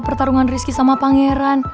pertarungan rizky sama pangeran